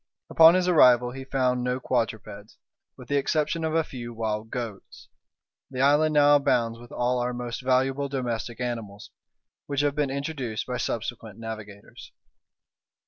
Upon his arrival he found no quadrupeds, with the exception of a few wild goats; the island now abounds with all our most valuable domestic animals, which have been introduced by subsequent navigators.